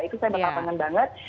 itu saya bakal pengen banget